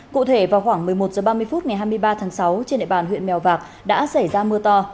cụ thể vào khoảng một mươi một h ba mươi phút ngày hai mươi ba tháng sáu trên địa bàn huyện mèo vạc đã xảy ra mưa to